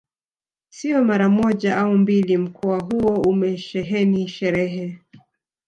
Sio mara moja au mbili mkoa huo umesheheni sherehe